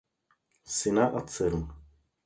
Syna a dceru.